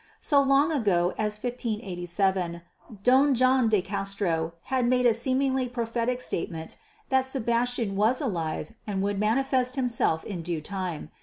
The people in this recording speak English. So long ago as 1587, Don John de Castro had made a seemingly prophetic statement that Sebastian was alive and would manifest himself in due time.